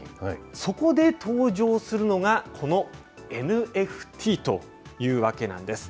そこで登場するのが、このＮＦＴというわけなんです。